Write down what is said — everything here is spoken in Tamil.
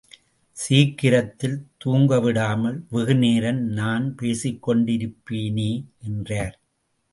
சீக்கிரத்தில் தூங்கவிடாமல் வெகுநேரம் நான் பேசிக் கொண்டிருப்பேனே என்றார்.